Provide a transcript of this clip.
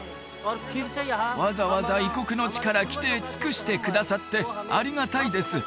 わざわざ異国の地から来て尽くしてくださってありがたいです